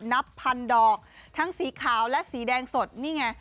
นับพันดอกทั้งสีขาวและสีแดงสดนี่ไง